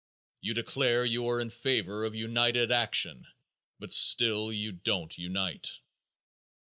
You declare you are in favor of united action, but still you don't unite.